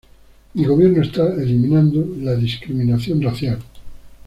Mi gobierno está eliminando la discriminación racial.